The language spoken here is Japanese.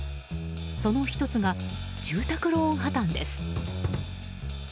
その１つが住宅ローン破綻です。